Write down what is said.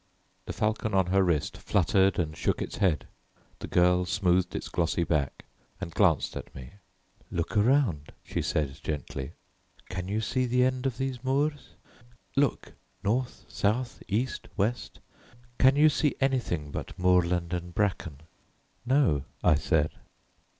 The falcon on her wrist fluttered and shook its head. The girl smoothed its glossy back and glanced at me. "Look around," she said gently. "Can you see the end of these moors? Look, north, south, east, west. Can you see anything but moorland and bracken?" "No," I said.